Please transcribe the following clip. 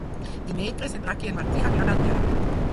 Dimecres en Drac i en Martí aniran al teatre.